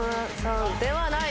ではない。